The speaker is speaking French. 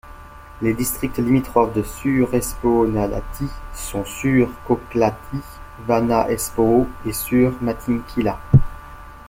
Les districts limitrophes de Suur-Espoonlahti sont Suur-Kauklahti, Vanha-Espoo et Suur-Matinkylä.